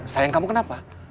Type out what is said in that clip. sayang kamu kenapa